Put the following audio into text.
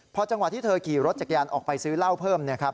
พอจังหวะที่เธอขี่รถจักรยานออกไปซื้อเหล้าเพิ่มนะครับ